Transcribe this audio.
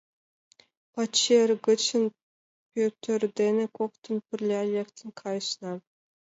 Пачер гычын Пӧтыр дене коктын пырля лектын кайышна.